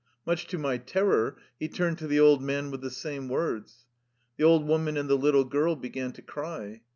Much to my terror, he turned to the old man with the same words. The old woman and the little girl began to cry.